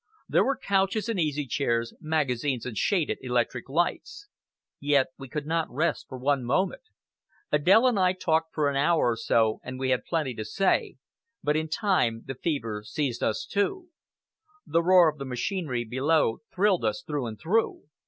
There were couches and easy chairs, magazines and shaded electric lights. Yet we could not rest for one moment. Adèle and I talked for an hour or so, and we had plenty to say, but in time the fever seized us too. The roar of the machinery below thrilled us through and through.